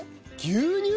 牛乳。